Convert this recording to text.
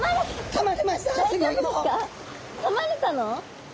かまれたの？